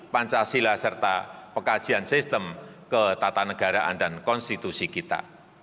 pancasila serta pekajian sistem ke tata negaraan dan konstitusi kita